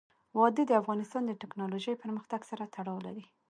وادي د افغانستان د تکنالوژۍ پرمختګ سره تړاو لري.